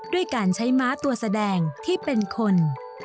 ด้วยการใช้ม้าตัวแสดงที่เป็นคน